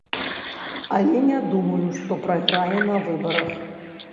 Але не думаю, што прайграе на выбарах.